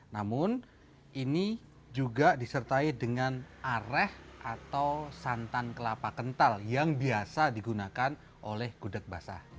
namun ini juga disertai dengan areh atau santan kelapa kental yang biasa digunakan oleh gudeg basah